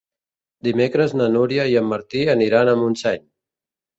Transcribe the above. Dimecres na Núria i en Martí aniran a Montseny.